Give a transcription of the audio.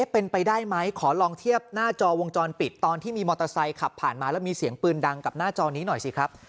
เป็นไปได้ไหมขอลองเทียบหน้าจอวงจรปิดตอนที่มีมอเตอร์ไซค์ขับผ่านมาแล้วมีเสียงปืนดังกับหน้าจอนี้หน่อยสิครับ